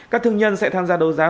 các thương nhân sẽ tham gia đấu giá